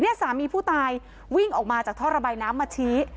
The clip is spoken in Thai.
สามีผู้ตายวิ่งออกมาจากท่อระบายน้ำมาชี้